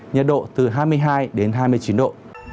nhiệt độ từ hai mươi hai đến hai mươi chín độ